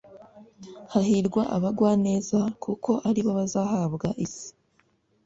hahirwa abagwaneza kuko aribo bazahabwa isi